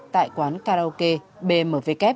tại quán karaoke bmw